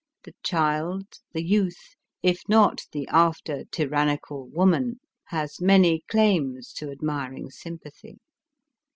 The child, the youth, if not the after tyrannical woman, has many claims to admiring sympathy.